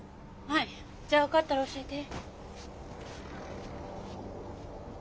はい。じゃあ分かったら教えて。